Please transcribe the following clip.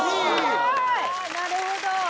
なるほど。